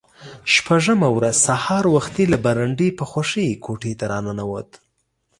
شپږمه ورځ سهار وختي له برنډې په خوښۍ کوټې ته را ننوت.